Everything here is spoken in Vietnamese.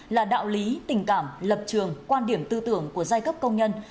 là đạo lý tình cảm lập trường quan điểm tư tưởng của giai cấp công nhân